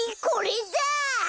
これだ！